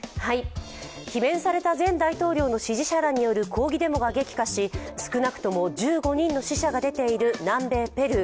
罷免された前大統領の支持者らによる抗議デモが激化し少なくとも１５人の死者が出ている南米ペルー。